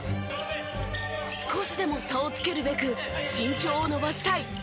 少しでも差をつけるべく身長を伸ばしたい！